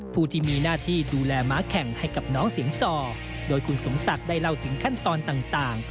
ผู้ที่มีหน้าที่ดูแลม้าแข่งให้กับน้องเสียงส่อโดยคุณสมศักดิ์ได้เล่าถึงขั้นตอนต่าง